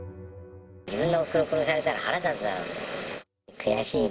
自分のおふくろ殺されたら腹立つだろ。